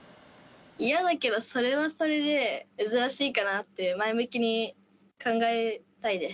嫌だけど、それはそれで珍しいかなって、前向きに考えたいです。